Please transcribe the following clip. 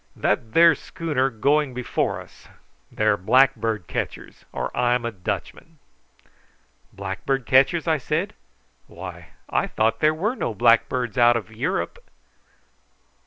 "That there schooner going before us. They're blackbird catchers, or I'm a Dutchman." "Blackbird catchers?" I said. "Why, I thought there were no blackbirds out of Europe."